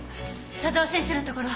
佐沢先生のところ。